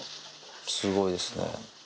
すごいですね。